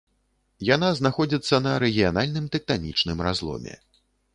Яна знаходзіцца на рэгіянальным тэктанічным разломе.